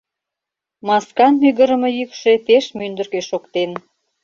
Маскан мӱгырымӧ йӱкшӧ пеш мӱндыркӧ шоктен.